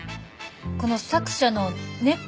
この作者のねこ